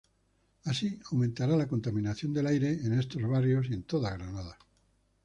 así aumentará la contaminación del aire en estos barrios y en toda Granada.